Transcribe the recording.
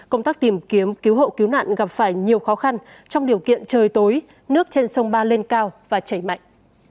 công tác tìm kiếm cứu hộ cứu nạn gặp phải nhiều khó khăn trong điều kiện trời tối nước trên sông ba lên cao và chảy mạnh